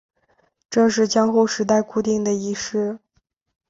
这是江户时代固定的仪式。